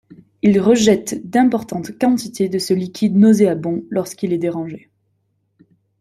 Ils rejettent d'importantes quantités de ce liquide nauséabond lorsqu'il est dérangé.